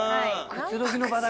くつろぎの場だ